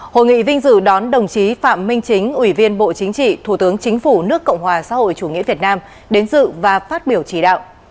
hội nghị vinh dự đón đồng chí phạm minh chính ủy viên bộ chính trị thủ tướng chính phủ nước cộng hòa xã hội chủ nghĩa việt nam đến dự và phát biểu chỉ đạo